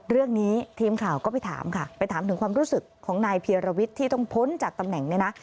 เรื่องนี้ทีมข่าวก็ไปถามค่ะไปถามถึงความรู้สึกของนายเพียรวิทย์ที่ต้องพ้นจากตำแหน่งเนี่ยนะ